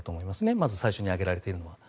まず最初に上げられているのは。